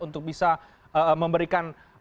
untuk bisa memberikan